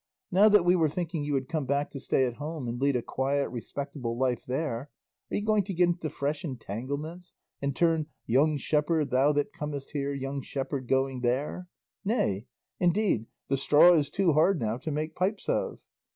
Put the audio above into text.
Now that we were thinking you had come back to stay at home and lead a quiet respectable life there, are you going to get into fresh entanglements, and turn 'young shepherd, thou that comest here, young shepherd going there?' Nay! indeed 'the straw is too hard now to make pipes of.